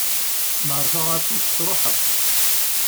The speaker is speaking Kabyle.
Nher taɣaṭ-ik, truḥeḍ.